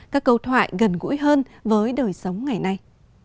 các câu thoại gần gũi hơn với đời sống ngày nay